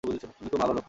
উনি খুব ভালো লোক।